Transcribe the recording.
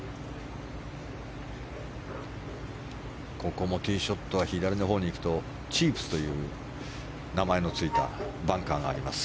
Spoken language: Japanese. ここもティーショットが左のほうへ行くとチープスという名前の付いたバンカーがあります。